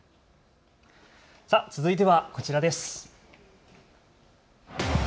続いてはこちらです。